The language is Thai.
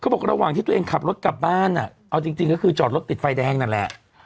บอกระหว่างที่ตัวเองขับรถกลับบ้านเอาจริงก็คือจอดรถติดไฟแดงนั่นแหละ